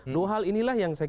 dua hal inilah yang saya kira